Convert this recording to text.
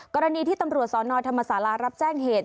กรณีที่ตำรวจสนธรรมศาลารับแจ้งเหตุ